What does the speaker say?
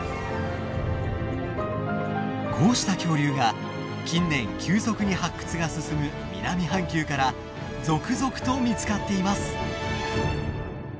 こうした恐竜が近年急速に発掘が進む南半球から続々と見つかっています。